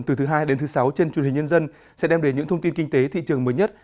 từ thứ hai đến thứ sáu trên truyền hình nhân dân sẽ đem đến những thông tin kinh tế thị trường mới nhất